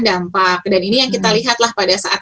dampak dan ini yang kita lihatlah pada saat